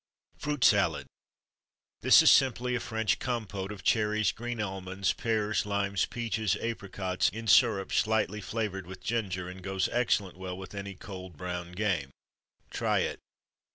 Fruit Salad. This is simply a French compôte of cherries, green almonds, pears, limes, peaches, apricots in syrup slightly flavoured with ginger; and goes excellent well with any cold brown game. Try it.